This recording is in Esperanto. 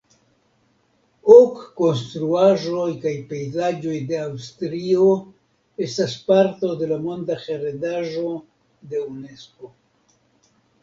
Ok konstruaĵoj kaj pejzaĝoj de Aŭstrio estas parto de la Monda heredaĵo de Unesko.